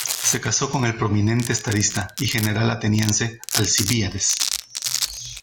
Se casó con el prominente estadista y general ateniense Alcibíades.